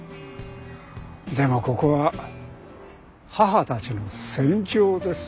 でもここは母たちの戦場です。